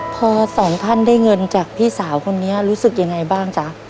พอสองท่านได้เงินจากพี่สาวคนนี้รู้สึกยังไงบ้างจ๊ะ